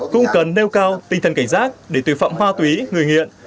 cũng cần nêu cao tinh thần cảnh giác để tội phạm ma túy người nghiện